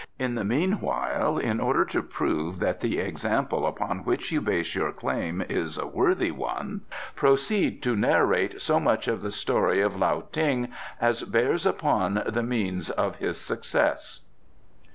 In the meanwhile, in order to prove that the example upon which you base your claim is a worthy one, proceed to narrate so much of the story of Lao Ting as bears upon the means of his success."